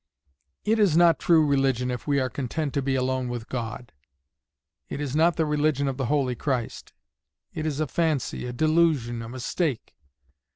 "It is not true religion if we are content to be alone with God; it is not the religion of the holy Christ; it is a fancy, a delusion, a mistake.